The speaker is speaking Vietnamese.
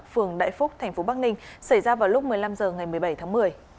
phường đại phúc thành phố bắc ninh xảy ra vào lúc một mươi năm h ngày một mươi bảy tháng một mươi